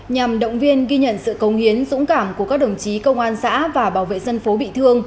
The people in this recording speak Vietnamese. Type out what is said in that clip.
nhằm động viên ghi nhận sự công hiến dũng cảm của các đồng chí công an xã và bảo vệ dân phố bị thương